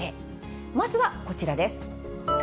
まずはこちらです。